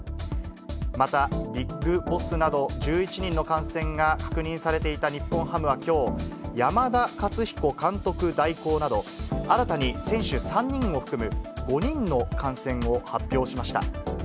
またＢＩＧＢＯＳＳなど、１１人の感染が確認されていた日本ハムはきょう、山田勝彦監督代行など、新たに選手３人を含む５人の感染を発表しました。